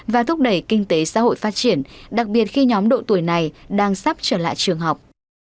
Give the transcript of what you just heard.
và thúc đẩy kinh tế xã hội phát triển đặc biệt khi nhóm độ tuổi này đang sắp trở lại trường học